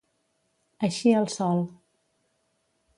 Eixir el sol.